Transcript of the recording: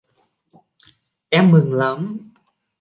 Em mừng lắm